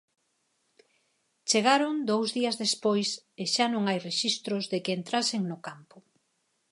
Chegaron dous días despois e xa non hai rexistros de que entrasen no campo.